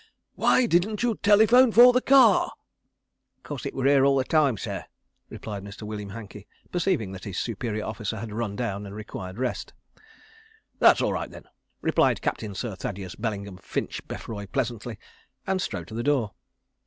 Why didn't you telephone for the car?" "'Cos it were 'ere all the time, sir," replied Mr. William Hankey, perceiving that his superior officer had run down and required rest. "That's all right, then," replied Captain Sir Thaddeus Bellingham ffinch Beffroye pleasantly, and strode to the door.